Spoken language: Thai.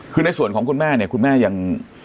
คือในส่วนของคุณแม่เนี่ยคุณแม่ยัง